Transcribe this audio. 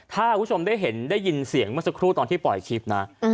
ถ้าคุณผู้ชมได้เห็นได้ยินเสียงเมื่อสักครู่ตอนที่ปล่อยคลิปนะ